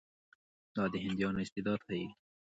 دا د هندیانو استعداد ښيي.